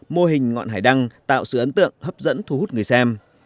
mô hình ngọn hải đăng tạo sự ấn tượng hấp dẫn thu hút người xem